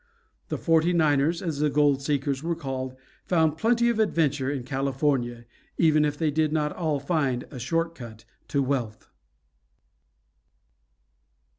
The Forty niners, as the gold seekers were called, found plenty of adventure in California, even if they did not all find a short cut to wealth.